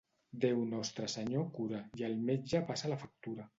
Déu Nostre Senyor cura i el metge passa la factura.